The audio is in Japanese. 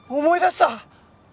思い出した！